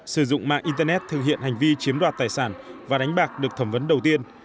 sử dụng mạng internet thực hiện hành vi chiếm đoạt tài sản và đánh bạc được thẩm vấn đầu tiên